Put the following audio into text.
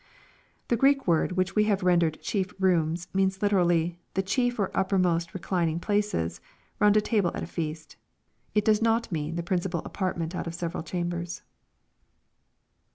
The Greek word which we have rendered '* chief rooms,'* meana literally, " the chief or uppermost reclining places" round a table at a feast It does not mean the principal apartment out of seve ral chambers.